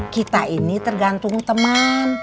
kita ini tergantung teman teman detiknya kita